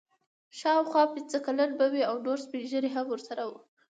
شاوخوا اویا پنځه کلن به وي او نور سپین ږیري هم ورسره وو.